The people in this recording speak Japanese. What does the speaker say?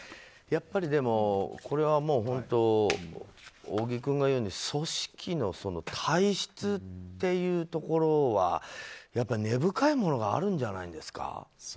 でも、これは本当小木君が言うように組織の体質っていうところはやっぱり根深いものがあるんじゃないですか。